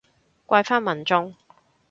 怪返民眾